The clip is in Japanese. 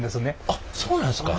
あっそうなんですか。